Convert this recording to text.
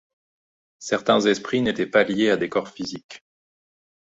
Certains esprits n'étaient pas liés à des corps physiques.